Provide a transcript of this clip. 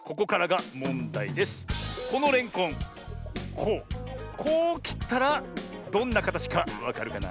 こうこうきったらどんなかたちかわかるかな？